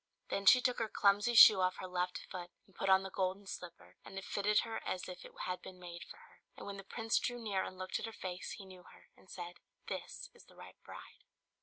Then she took her clumsy shoe off her left foot and put on the golden slipper; and it fitted her as if it had been made for her. And when the Prince drew near and looked at her face he knew her, and said, "This is the right bride."